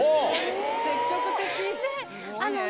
積極的！